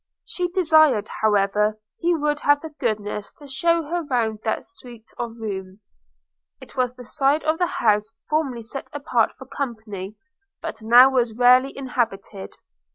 She desired, however, he would have the goodness to shew her round that suit of rooms. It was the side of the house formerly set apart for company, but now was very rarely inhabited.